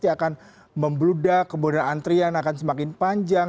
akan membeludah kemudian antrian akan semakin panjang